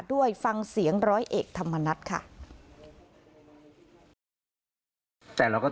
ด้วยฟังเสียงร้อยเอกธรรมนัฐค่ะ